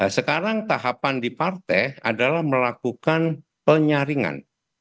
sekarang tahapan di partai adalah melakukan penyaringan